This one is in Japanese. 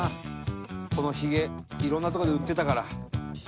「このヒゲいろんな所で売ってたから」